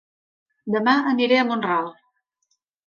Dema aniré a Mont-ral